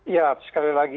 ya sekali lagi